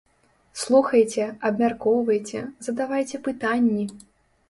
Слухайце, абмяркоўвайце, задавайце пытанні!